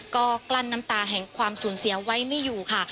ก็กลั้นน้ำตาแห่งความสูญเสียไว้ไม่อยู่ค่ะ